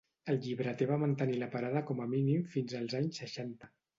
El llibreter va mantenir la parada com a mínim fins als anys seixanta.